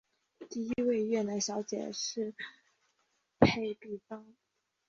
第一位越南小姐是裴碧芳。